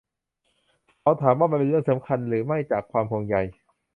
เขาถามว่ามันเป็นเรื่องสำคัญหรือไม่จากความห่วงใย.